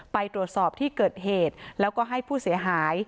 ไปตรวจสอบที่เกิดเหตุแล้วก็ให้ผู้เสียหาย